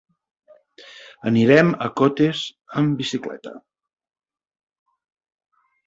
Anirem a Cotes amb bicicleta.